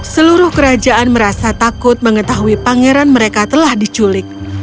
seluruh kerajaan merasa takut mengetahui pangeran mereka telah diculik